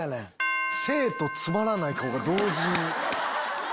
「せぇ！」とつまらない顔が同時に。